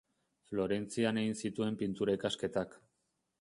Florentzian egin zituen pintura ikasketak.